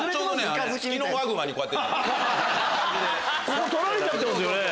ここ取られちゃってますよね！